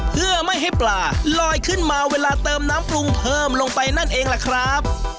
เพื่อไม่ให้ปลาลอยขึ้นมาเวลาเติมน้ำปรุงเพิ่มลงไปนั่นเองล่ะครับ